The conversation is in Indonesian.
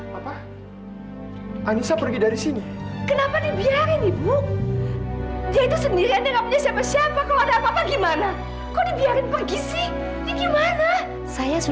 mengenai teman masa kecil kamu